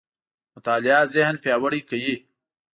مطالعه ذهن پياوړی کوي.